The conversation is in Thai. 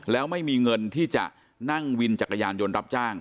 แล้วไม่มีเงินที่จะนั่งวินจักรยานยนต์รับจ้าง